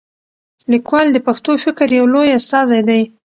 لیکوال د پښتو فکر یو لوی استازی دی.